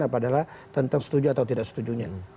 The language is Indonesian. adalah tentang setuju atau tidak setujunya